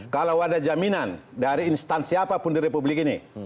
kalau ada jaminan dari instansi apapun di republik ini